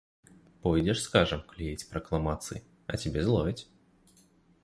Пойдзеш, скажам, клеіць пракламацыі, а цябе зловяць.